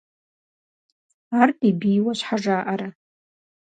Ар ди бийуэ щхьэ жаӀэрэ?